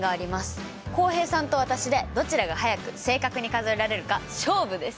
浩平さんと私でどちらが速く正確に数えられるか勝負です。